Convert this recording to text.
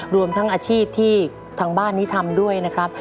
รวมทั้งอาชีพที่ทางบ้านนี้ทำด้วยนะครับ